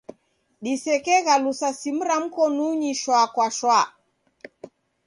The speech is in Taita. Disekeghalusa simu ra mkonunyi shwa kwa shwa.